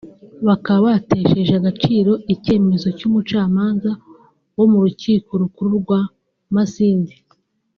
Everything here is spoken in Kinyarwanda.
bakaba batesheje agaciro icyemezo cy’umucamanza wo mu Rukiko Rukuru rwa Masindi